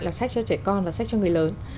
là sách cho trẻ con và sách cho người lớn